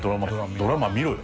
ドラマ見ろよ。